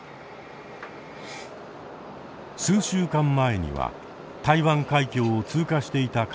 数週間前には台湾海峡を通過していた艦艇です。